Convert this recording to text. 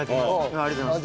ありがとうございます。